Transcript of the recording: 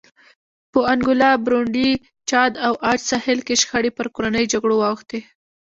په انګولا، برونډي، چاد او عاج ساحل کې شخړې پر کورنیو جګړو واوښتې.